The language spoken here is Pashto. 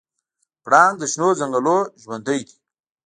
پړانګ د شنو ځنګلونو ژوندی دی.